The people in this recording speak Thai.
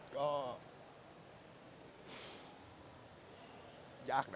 ก็ยากนะ